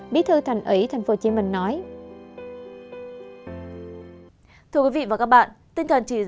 bí thư thành ủy tp hcm nói